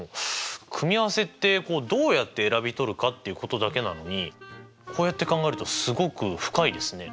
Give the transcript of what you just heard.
組合せってどうやって選びとるかっていうことだけなのにこうやって考えるとすごく深いですね。